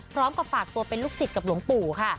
พร้อมกับฝากตัวเป็นลูกศิษย์กับหลวงปู่ค่ะ